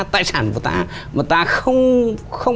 tài sản của ta mà ta không